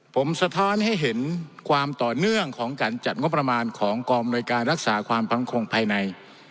ผมสะท้อนให้เห็นความต่อเนื่องของการจัดงบประมาณของกองอำนวยการรักษาความพังคงภายใน